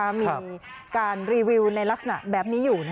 มีการรีวิวในลักษณะแบบนี้อยู่